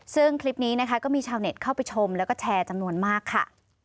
ซึ่งคลิปนี้นะคะก็มีชาวเน็ตเข้าไปชมแล้วก็แชร์จำนวนมากค่ะ